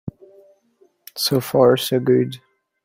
So far so good.